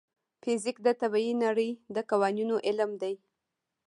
فزیک د طبیعي نړۍ د قوانینو علم دی.